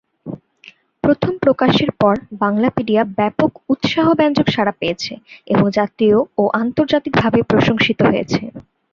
প্রথম প্রকাশের পর বাংলাপিডিয়া ব্যাপক উৎসাহব্যঞ্জক সাড়া পেয়েছে এবং জাতীয় ও আন্তর্জাতিকভাবে প্রশংসিত হয়েছে।